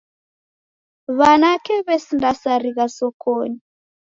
W'anake w'esindasarigha sokonyi.